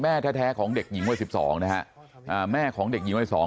แม่แท้ของเด็กอียิงว่ายสิบสองแม่ของเด็กอียิงว่ายสอง